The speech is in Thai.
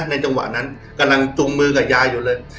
จังหวะนั้นกำลังจุงมือกับยายอยู่เลย